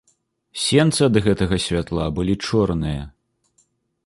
Сенцы ад гэтага святла былі чорныя.